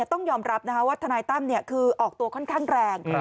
ต้องยอมรับว่าทนายตั้มคือออกตัวค่อนข้างแรง